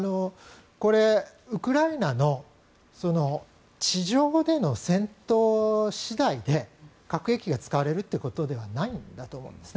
これ、ウクライナの地上での戦闘次第で核兵器が使われるということではないんだと思うんです